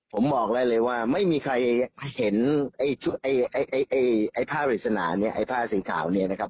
ผมบอกได้เลยว่าไม่มีใครเห็นไอ้ไอ้ผ้าปริศนาเนี่ยไอ้ผ้าสีขาวเนี่ยนะครับ